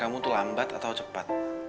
kamu itu lambat atau cepat